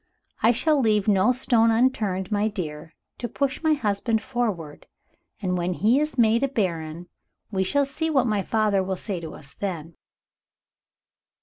I shall leave no stone unturned, my dear, to push my husband forward. And when he is made a Baron, we shall see what my father will say to us then."